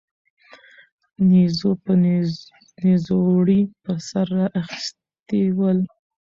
نيزو به نيزوړي پر سر را اخيستي ول